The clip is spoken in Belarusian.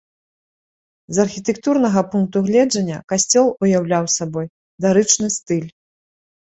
З архітэктурнага пункту гледжання касцёл уяўляў сабой дарычны стыль.